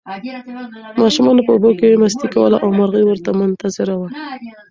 ماشومانو په اوبو کې مستي کوله او مرغۍ ورته منتظره وه.